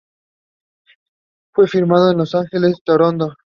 Fue filmado en Los Ángeles y Toronto.